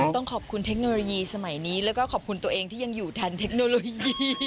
ต้องขอบคุณเทคโนโลยีสมัยนี้แล้วก็ขอบคุณตัวเองที่ยังอยู่แทนเทคโนโลยี